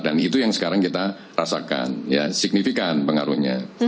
dan itu yang sekarang kita rasakan ya signifikan pengaruhnya